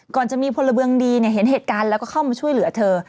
ก่อนจะมีพลเมืองดีเห็นเหตุการณ์แล้วก็เข้ามาช่วยเหลือเธอ